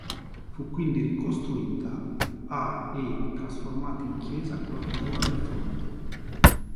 Fu quindi ricostruita a e trasformata in chiesa con la chiusura del fronte.